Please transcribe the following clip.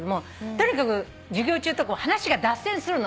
とにかく授業中とかも話が脱線するの。